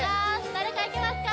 誰かいけますか？